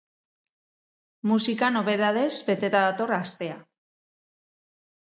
Musika nobedadez beteta dator astea.